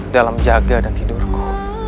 dalam jaga dan tidurku